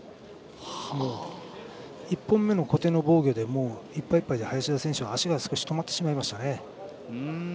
１本目の小手の防御でいっぱいいっぱいで林田選手は足が少し止まってしまいましたね。